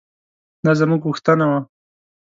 دا زموږ غوښتنه وه.